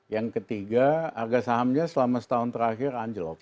yang ketiga harga sahamnya selama setahun terakhir anjlok